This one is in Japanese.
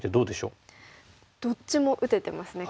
どっちも打ててますね黒。